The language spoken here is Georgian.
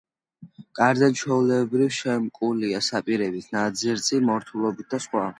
გარედან ჩვეულებრივ, შემკულია საპირეებით, ნაძერწი მორთულობით და სხვა.